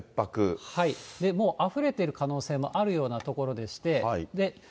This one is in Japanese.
もうあふれている可能性もあるような所でして。